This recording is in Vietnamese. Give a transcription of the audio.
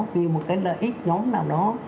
vì một cái lợi ích nhóm nào đó